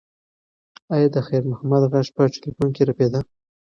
ایا د خیر محمد غږ په تلیفون کې رپېده؟